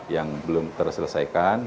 yang belum terselesaikan